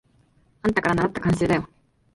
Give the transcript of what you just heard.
あんたからならった慣習だよ。